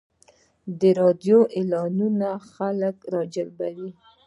د راډیو اعلانونه خلک راجلبوي.